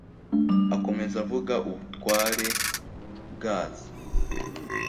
Akomeza avuga ubutwari bwazo